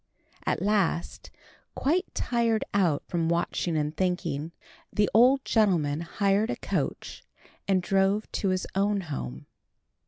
At last, quite tired out with watching and thinking, the Old Gentleman hired a coach and drove to his own home.